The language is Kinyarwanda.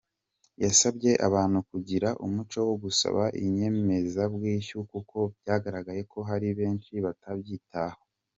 Yasabye abantu kugira umuco wo gusaba inyemezabwishyu kuko byagaragaye ko hari benshi batabyitaho.